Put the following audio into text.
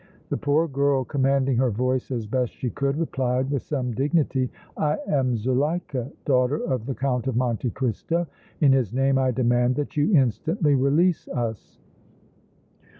The poor girl, commanding her voice as best she could, replied, with some dignity: "I am Zuleika, daughter of the Count of Monte Cristo! In his name I demand that you instantly release us!"